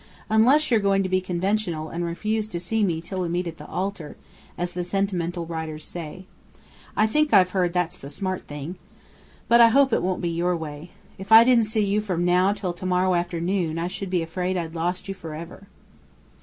"Unless you're going to be conventional and refuse to see me till we 'meet at the altar,' as the sentimental writers say. I think I've heard that's the smart thing. But I hope it won't be your way. If I didn't see you from now till to morrow afternoon I should be afraid I'd lost you for ever."